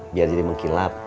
biar jadi mengkilap